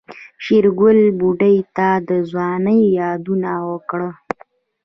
شېرګل بوډۍ ته د ځوانۍ يادونه وکړه.